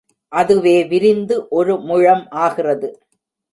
அதுவே விரிந்து ஒரு முழம் ஆகிறது.